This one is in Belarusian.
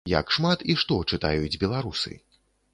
Як шмат і што чытаюць беларусы?